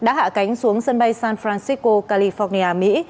đã hạ cánh xuống sân bay san francisco california mỹ